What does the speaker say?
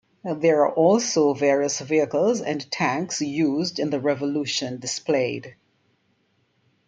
There are also various vehicles and tanks used in the revolution displayed.